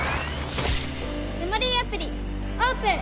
メモリーアプリオープン！